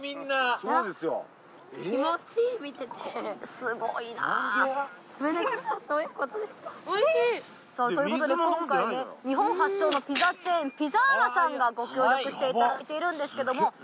さぁそういうことで今回ね日本発祥のピザチェーンピザーラさんがご協力していただいているんですけども。